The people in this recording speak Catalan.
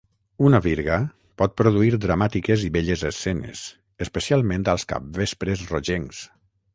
Una virga pot produir dramàtiques i belles escenes, especialment als capvespres rogencs.